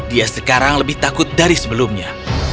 dia sekarang lebih takut dari sebelumnya